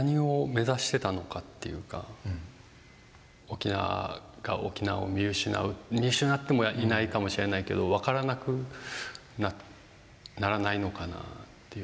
沖縄が沖縄を見失う見失ってもいないかもしれないけど分からなくならないのかなっていう。